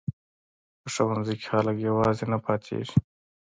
په ښوونځي کې خلک یوازې نه پاتې کیږي.